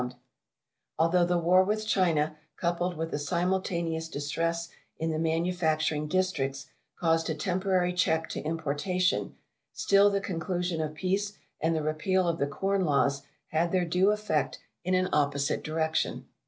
] Although the war with China, coupled with the simultaneous distress in the manufacturing districts, caused a temporary check to importation, still the conclusion of peace and the repeal of the Corn Laws had their due effect in an opposite direction.